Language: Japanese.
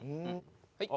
はい。